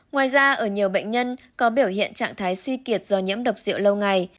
ngoài ra ở nhiều bệnh nhân có biểu hiện trạng thái suy kiệt do nhiễm độc rượu lâu ngày